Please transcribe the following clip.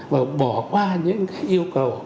và bỏ qua những cái yêu cầu